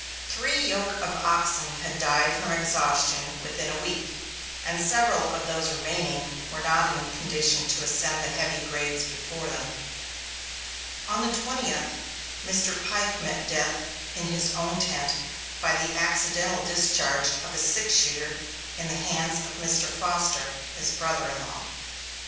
Three yoke of oxen had died from exhaustion within a week, and several of those remaining were not in condition to ascend the heavy grades before them. On the twentieth, Mr. Pike met death in his own tent by the accidental discharge of a six shooter in the hands of Mr. Foster, his brother in law.